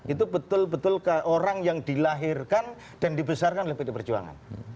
itu betul betul ke orang yang dilahirkan dan dibesarkan oleh pd perjuangan